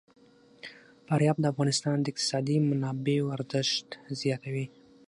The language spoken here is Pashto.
فاریاب د افغانستان د اقتصادي منابعو ارزښت زیاتوي.